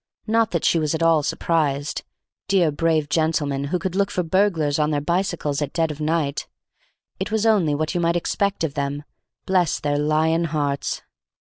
Not that she was at all surprised; dear brave gentlemen who could look for burglars on their bicycles at dead of night, it was only what you might expect of them, bless their lion hearts.